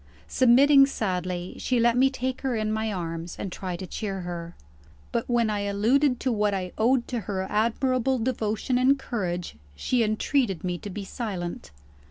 Submitting sadly, she let me take her in my arms, and try to cheer her. But when I alluded to what I owed to her admirable devotion and courage, she entreated me to be silent.